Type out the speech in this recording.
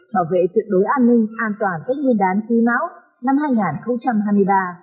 bảo vệ tuyệt đối an ninh an toàn các nguyên đán khí máu năm hai nghìn hai mươi ba